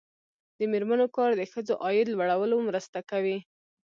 د میرمنو کار د ښځو عاید لوړولو مرسته کوي.